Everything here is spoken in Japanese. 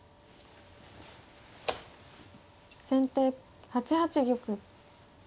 先手８八玉。